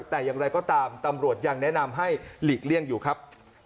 แต่อย่างไรก็ตามตำรวจยังแนะนำให้หลีกเลี่ยงอยู่ครับ